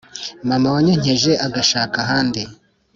Mama wanyonkeje agashaka ahandi